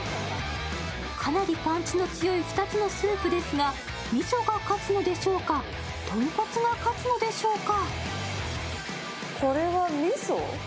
かなりパンチの強い２つのスープですが、味噌が勝つのでしょうか、豚骨が勝つのでしょうか？